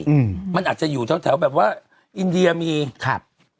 อืมมันอาจจะอยู่แถวแถวแบบว่าอินเดียมีครับ